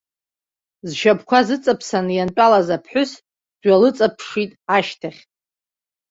Зшьапқәа зыҵаԥсаны иантәалаз аԥҳәыс дҩалыҵаԥшит, ашьҭахь.